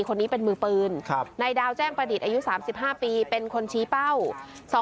คนนี้เป็นมือปืนนายดาวแจ้งประดิษฐ์อายุ๓๕ปีเป็นคนชี้เป้า